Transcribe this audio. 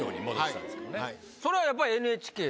それはやっぱりＮＨＫで？